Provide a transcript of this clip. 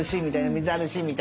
水あるしみたいな。